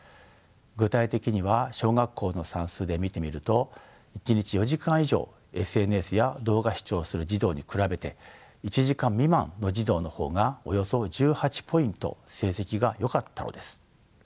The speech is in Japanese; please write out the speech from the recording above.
具体的には小学校の算数で見てみると一日４時間以上ＳＮＳや動画視聴する児童に比べて１時間未満の児童の方がおよそ１８ポイント成績がよかったのです。